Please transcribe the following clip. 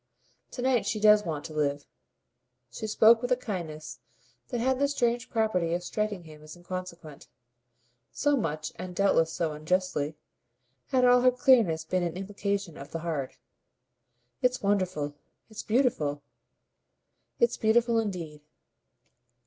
"To night she does want to live." She spoke with a kindness that had the strange property of striking him as inconsequent so much, and doubtless so unjustly, had all her clearness been an implication of the hard. "It's wonderful. It's beautiful." "It's beautiful indeed."